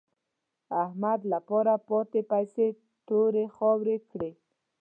احمد له پاره پاتې پيسې تورې خاورې کړې.